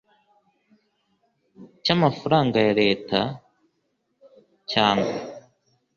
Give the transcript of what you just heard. cy amafaranga ya Leta cyangwa